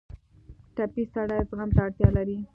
ټپي سړی زغم ته اړتیا لري.